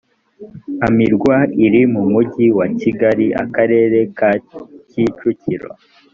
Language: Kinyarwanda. ammirwa iri mu mujyi wa kigali akarere ka kicukiro